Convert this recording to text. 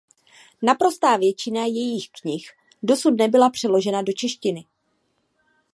Naprostá většina jejích knih dosud nebyla přeložena do češtiny.